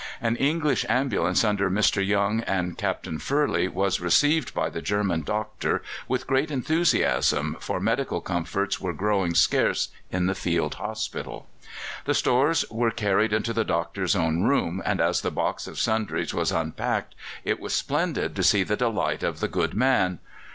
An English ambulance under Mr. Young and Captain Furley was received by the German doctor with great enthusiasm, for medical comforts were growing scarce in the field hospital. The stores were carried into the doctor's own room, and as the box of sundries was unpacked it was splendid to see the delight of the good man.